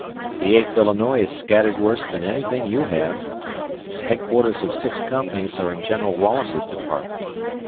The Eighth Illinois is scattered worse than anything you have. The headquarters of six companies are in General Wallace's department.